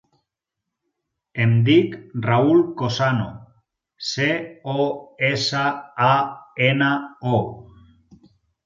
Em dic Raül Cosano: ce, o, essa, a, ena, o.